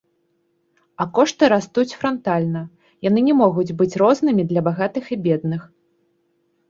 А кошты растуць франтальна, яны не могуць быць рознымі для багатых і бедных.